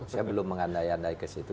saya belum mengandai andai ke situ